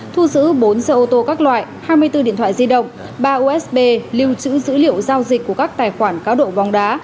thu giữ bốn xe ô tô các loại hai mươi bốn điện thoại di động ba usb lưu trữ dữ liệu giao dịch của các tài khoản cáo độ bóng đá